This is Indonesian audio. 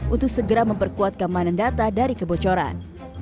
untuk segera memperkuat keamanan data dari kebocoran